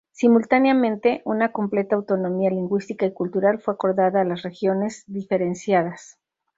Simultáneamente, una completa autonomía lingüística y cultural fue acordada a las regiones diferenciadas.